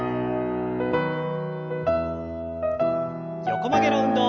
横曲げの運動。